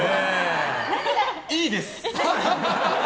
いいです！